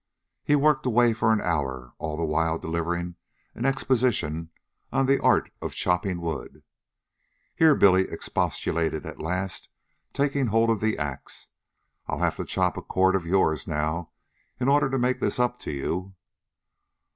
He worked away for an hour, all the while delivering an exposition on the art of chopping wood. "Here," Billy expostulated at last, taking hold of the axe. "I'll have to chop a cord of yours now in order to make this up to you."